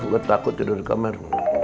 buat takut tidur di kamar